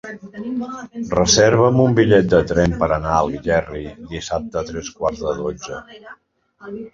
Reserva'm un bitllet de tren per anar a Algerri dissabte a tres quarts de dotze.